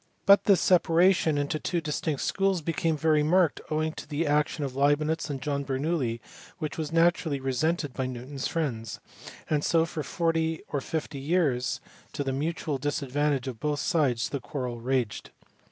But this separation into two distinct schools became very marked owing to the action of Leibnitz and John Bernoulli, which was naturally resented by Newton s friends : and so for forty or fifty years, to the mutual disad vantage of both sides, the quarrel raged.